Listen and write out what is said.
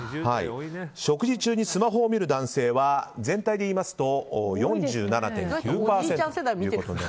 食事中にスマホを見る男性は全体で言いますと４７．９％。